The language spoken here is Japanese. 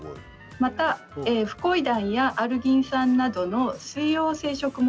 またフコイダンやアルギン酸などの水溶性食物